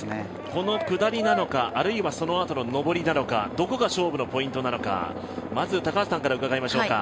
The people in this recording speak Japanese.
この下りなのかあるいは、そのあとの上りなのかどこが勝負のポイントなのか高橋さんに伺いましょうか。